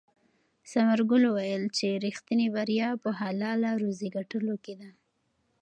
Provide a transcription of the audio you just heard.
ثمرګل وویل چې ریښتینې بریا په حلاله روزي ګټلو کې ده.